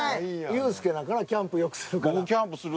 ユースケなんかなキャンプよくするから。